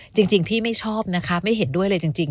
จริงพี่ไม่ชอบนะคะไม่เห็นด้วยเลยจริง